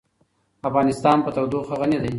افغانستان په تودوخه غني دی.